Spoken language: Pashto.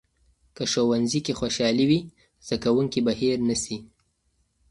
که ښوونځي کې خوشالي وي، زده کوونکي به هیر نسي.